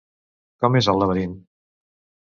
Com és el laberint?